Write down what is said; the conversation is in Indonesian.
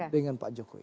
dengan pak jokowi